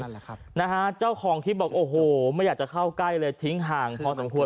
แหละครับนะฮะเจ้าของคลิปบอกโอ้โหไม่อยากจะเข้าใกล้เลยทิ้งห่างพอสมควร